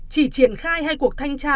chỉ triển khai hai cuộc thanh tra